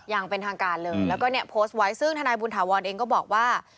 อย่างเป็นทางการเลยแล้วก็เนี่ยโพสต์ไว้ซึ่งทนายบุญถาวรเองก็บอกว่า